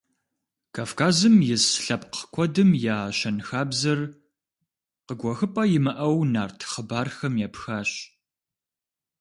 Кавказым ис лъэпкъ куэдым я щэнхабзэр къыгуэхыпӀэ имыӀэу нарт хъыбархэм епхащ.